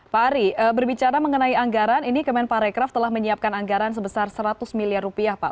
pak ari berbicara mengenai anggaran ini kemenparekraf telah menyiapkan anggaran sebesar seratus miliar rupiah pak